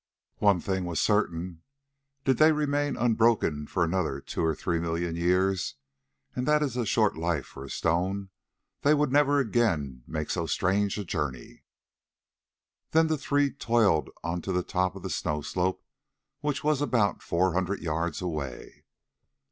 One thing was certain: did they remain unbroken for another two or three million years, and that is a short life for a stone, they would never again make so strange a journey. Then the three toiled on to the top of the snow slope, which was about four hundred yards away.